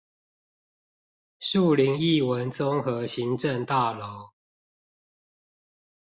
樹林藝文綜合行政大樓